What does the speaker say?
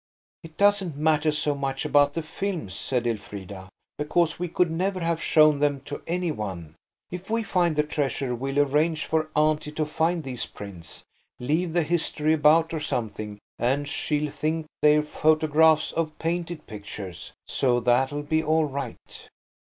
"It doesn't matter so much about the films," said Elfrida, "because we could never have shown them to any one. If we find the treasure we'll arrange for Auntie to find these prints–leave the History about or something–and she'll think they're photographs of painted pictures. So that'll be all right."